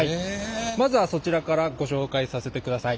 まずはそちらからご紹介させてください。